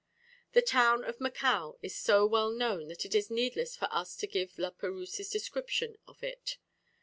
The town of Macao is so well known that it is needless for us to give La Perouse's description of it.